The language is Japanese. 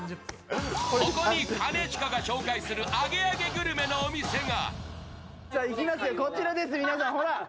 ここに兼近が紹介するアゲアゲグルメのお店が。